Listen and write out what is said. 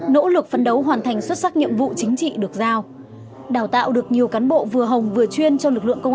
nỗ lực phân đấu hoàn thành xuất sắc nhiệm vụ chính trị được giao